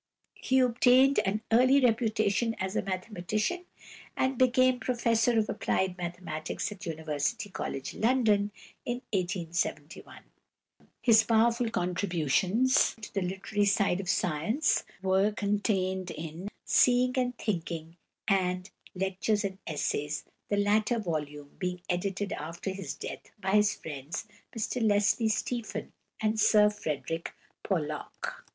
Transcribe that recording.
He obtained an early reputation as a mathematician and became professor of applied mathematics in University College, London, in 1871. His powerful contributions to the literary side of science were contained in "Seeing and Thinking" and "Lectures and Essays," the latter volume being edited after his death by his friends Mr Leslie Stephen and Sir Frederick Pollock.